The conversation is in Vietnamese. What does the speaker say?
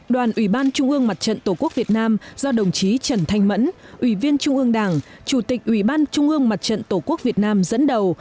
đoàn ủy ban trung ương mặt trận tổ quốc việt nam do đồng chí trần thanh mẫn ủy viên trung ương đảng chủ tịch ủy ban trung ương mặt trận tổ quốc việt nam dẫn đầu